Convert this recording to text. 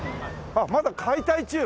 あっまだ解体中？